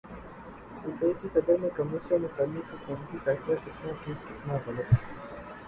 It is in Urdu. روپے کی قدر میں کمی سے متعلق حکومتی فیصلہ کتنا ٹھیک کتنا غلط